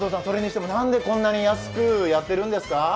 それにしてもなんでこんなに安くやってるんですか？